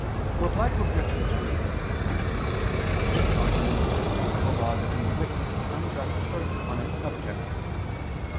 Reply Obj. 3: This argument is true of a law that inflicts unjust hurt on its subjects.